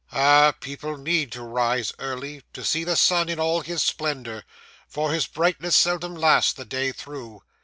'Ah! people need to rise early, to see the sun in all his splendour, for his brightness seldom lasts the day through.